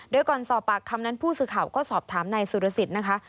โดยก่อนสอบปากคำนั้นผู้สื่อข่าวก็สอบถามนายสุรสิทธิ์นะคะ